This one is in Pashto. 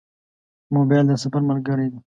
موبایل د سفر ملګری دی.